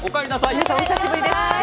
皆さんお久しぶりです。